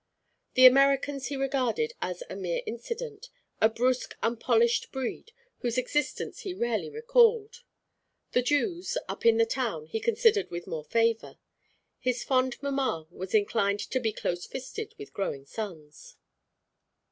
The Americans he regarded as a mere incident, a brusque unpolished breed whose existence he rarely recalled. The Jews, up in the town, he considered with more favour; his fond mamma was inclined to be close fisted with growing sons.